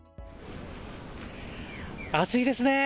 暑いですね。